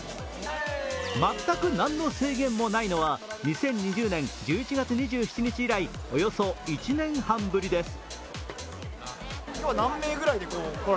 全く何の制限もないのは２０２０年１１月２７日以来およそ１年半ぶりです。